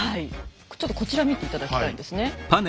ちょっとこちら見て頂きたいんですね。